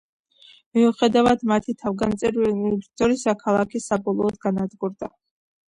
მიუხედავად მათი თავგანწირული ბრძოლისა, ქალაქი საბოლოოდ განადგურდა.